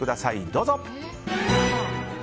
どうぞ。